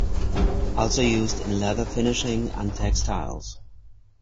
Also used in leather finishing and textiles.